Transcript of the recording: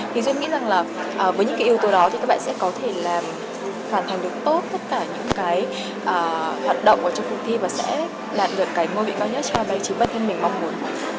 thì tôi nghĩ rằng với những yếu tố đó các bạn sẽ có thể làm hoàn thành được tốt tất cả những hoạt động trong cuộc thi và sẽ làm được môi vị cao nhất cho bài chính bất thân mình mong muốn